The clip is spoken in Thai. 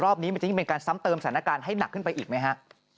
นี้มันจะยิ่งเป็นการซ้ำเติมสถานการณ์ให้หนักขึ้นไปอีกไหมฮะ